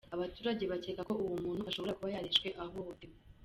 Abaturage bakeka ko uwo muntu ashobora kuba yarishwe ahotowe.